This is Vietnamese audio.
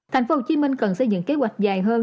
tp hcm cần xây dựng kế hoạch dài hơn